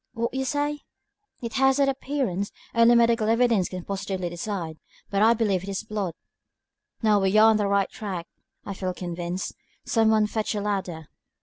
"What say you?" "It has that appearance. Only medical evidence can positively decide, but I believe it is blood." "Now we are on the right track, I feel convinced. Some one fetch a ladder."